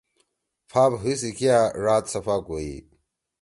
پھاپ حی سی کیا ڙاد صفا کوئی۔